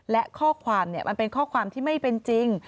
และข้อความมันเป็นข้อความที่ไม่เป็นจริง